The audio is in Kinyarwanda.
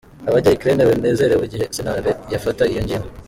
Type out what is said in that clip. Abanya Ukraine banezerewe igihe sentare yafata iyo ngingo.